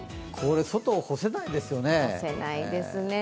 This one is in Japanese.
外に干せないですよね。